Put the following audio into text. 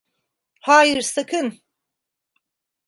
Hayır, sakın!